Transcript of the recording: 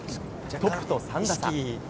トップと３打差。